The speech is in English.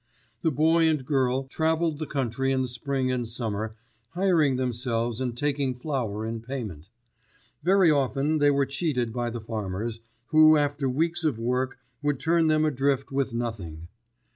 The boy and girl travelled the country in the spring and summer, hiring themselves and taking flour in payment. Very often they were cheated by the farmers, who after weeks of work would turn them adrift with nothing.